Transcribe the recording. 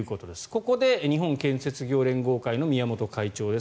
ここで日本建設業連合会の宮本会長です。